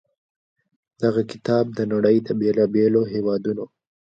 دغه کتاب د نړۍ د بېلا بېلو هېوادونو